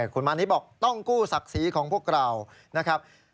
คุณมานิดบอกต้องกู้ศักดิ์ศรีของพวกเรานะครับ